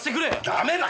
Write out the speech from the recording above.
ダメだ！